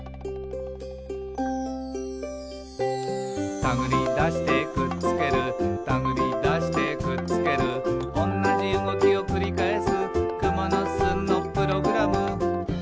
「たぐりだしてくっつけるたぐりだしてくっつける」「おんなじうごきをくりかえす」